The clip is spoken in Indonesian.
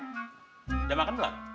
udah makan belum